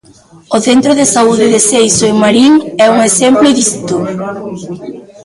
O centro de saúde de Seixo en Marín é un exemplo disto.